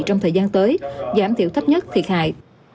trong thời gian tới giảm thiểu thấp nhất thiệt hại